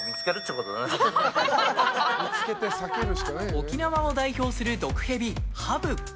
沖縄を代表する毒ヘビ、ハブ。